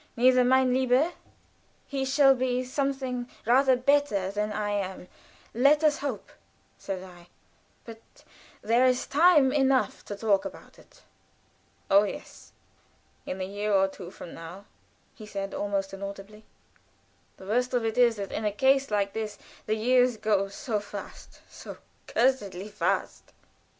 Nie, mein lieber; he shall be something rather better than I am, let us hope," said I; "but there is time enough to talk about it." "Oh, yes! In a year or two from now," said he, almost inaudibly. "The worst of it is that in a case like this, the years go so fast, so cursedly fast."